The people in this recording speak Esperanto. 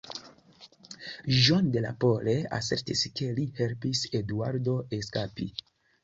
John de la Pole asertis ke li helpis Eduardo eskapi.